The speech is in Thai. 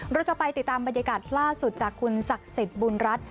เราจะไปติดตามบรรยากาศล่าสุดจากคุณศักดิ์สิทธิ์บุญรัฐ